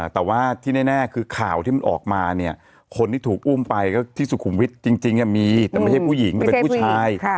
แต่ว่าที่แน่คือข่าวที่มันออกมาเนี่ยคนที่ถูกอุ้มไปก็ที่สุขุมวิทย์จริงมีแต่ไม่ใช่ผู้หญิงแต่เป็นผู้ชาย